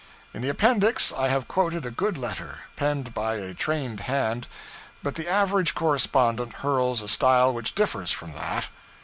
In the Appendix I have quoted a good letter, penned by a trained hand; but the average correspondent hurls a style which differs from that.